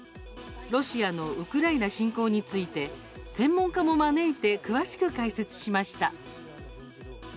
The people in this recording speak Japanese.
ロシアのウクライナ侵攻について専門家も招いて詳しく解説しました。